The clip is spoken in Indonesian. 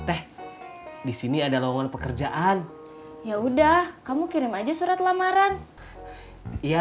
hai teh di sini ada lawangan pekerjaan ya udah kamu kirim aja surat lamaran iya